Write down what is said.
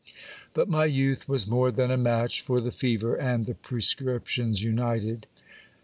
But my youth was more than a match for the fever and the prescriptions united.